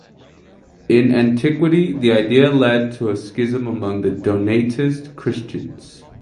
In antiquity, the idea led to a schism among the Donatist Christians.